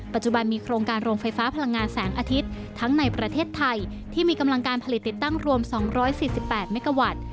ปัจจุบันมีโครงการโรงไฟฟ้าพลังงานแสงอาทิตย์ทั้งในประเทศไทยที่มีกำลังการผลิตติดตั้งรวม๒๔๘เมกาวัตต์